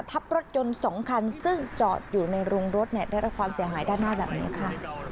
ทับรถยนต์๒คันซึ่งจอดอยู่ในโรงรถได้รับความเสียหายด้านหน้าแบบนี้ค่ะ